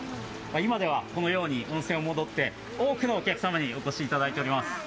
今ではこのように温泉が戻って多くのお客さまにお越しいただいています。